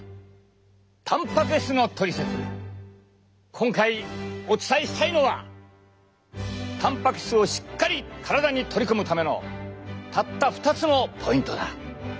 今回お伝えしたいのはたんぱく質をしっかり体に取り込むためのたった２つのポイントだ！